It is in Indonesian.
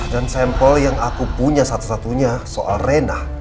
dan sampel yang aku punya satu satunya soal rena